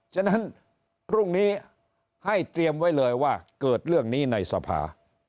ฉะนั้นพรุ่งนี้ให้เตรียมไว้เลยว่าเกิดเรื่องนี้ในสภา